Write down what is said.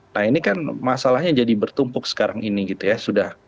nah ini kan masalahnya jadi bertumpuk sekarang ini gitu ya